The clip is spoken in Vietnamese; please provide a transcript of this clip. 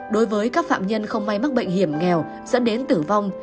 đối với các phạm nhân không may mắc bệnh hiểm nghèo dẫn đến tử vong